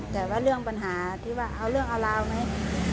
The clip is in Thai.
แต่ว่าเรื่องปัญหาที่ว่าเอาเรื่องเอาราวไหม